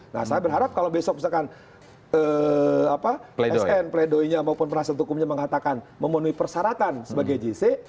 nah saya berharap kalau besok misalkan sn pledoynya maupun perasaan tukungnya mengatakan memenuhi persyaratan sebagai gc